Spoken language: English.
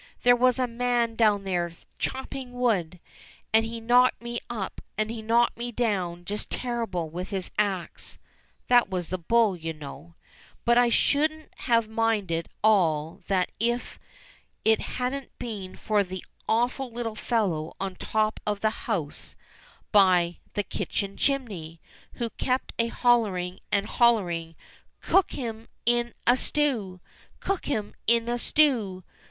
there was a man down there chopping wood, and he knocked me up and he knocked me down just terrible with his axe." {That was the hull, you know.) "But I shouldn't have minded all that if it hadn't been for an awful little fellow on the top of the house by the HOW JACK WENT TO SEEK HIS FORTUNE 267 kitchen chimney, who kept a hoUering and hollering, 'Cook him in a stew ! Cook him in a stew